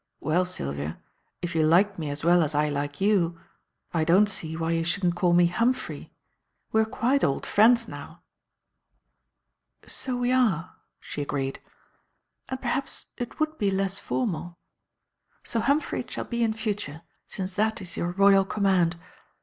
"Well, Sylvia, if you liked me as well as I like you, I don't see why you shouldn't call me Humphrey. We are quite old friends now." "So we are," she agreed; "and perhaps it would be less formal. So Humphrey it shall be in future, since that is your royal command.